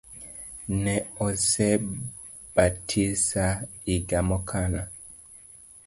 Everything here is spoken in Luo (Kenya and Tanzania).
Ne osebatisa iga mokalo